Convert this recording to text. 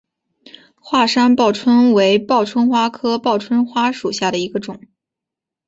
华山报春为报春花科报春花属下的一个种。